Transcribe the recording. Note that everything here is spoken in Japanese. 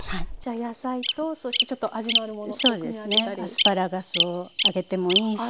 アスパラガスを揚げてもいいし。